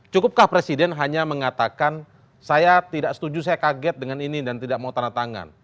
cukupkah presiden hanya mengatakan saya tidak setuju saya kaget dengan ini dan tidak mau tanda tangan